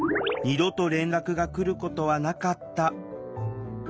二度と連絡が来ることはなかった。